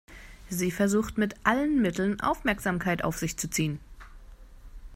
Sie versucht mit allen Mitteln, Aufmerksamkeit auf sich zu ziehen.